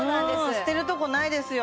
捨てるとこないですよ